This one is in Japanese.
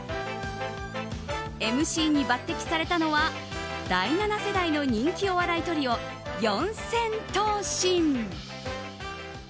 ＭＣに抜擢されたのは第７世代の人気お笑いトリオ四千頭身！